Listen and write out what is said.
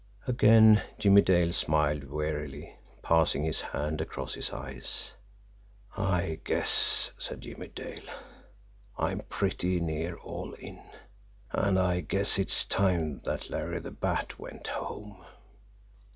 Again Jimmie Dale smiled wearily, passing his hand across his eyes. "I guess," said Jimmie Dale, "I'm pretty near all in. And I guess it's time that Larry the Bat went home."